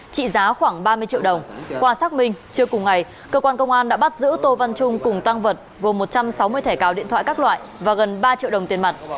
các loại và gần ba triệu đồng tiền mặt